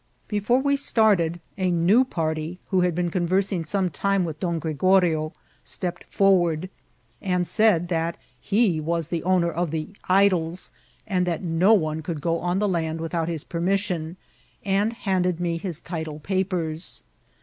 Before we started a new party, who had been con* yersing some time with Don Gregorio, stepped forwaxd| and said that he was the owner of <^ the idols ;" that no one could go on the land wiAout his permission ; and handed me his title papers.